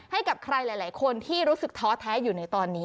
ให้กับใครหลายคนที่รู้สึกท้อแท้อยู่ในตอนนี้